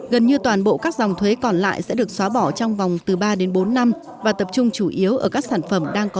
gần như toàn bộ các dòng thuế còn lại sẽ được xóa bỏ trong vòng từ ba đến bốn năm và tập trung chủ yếu ở các sản phẩm đang có